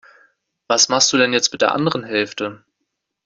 Was machst du denn jetzt mit der anderen Hälfte?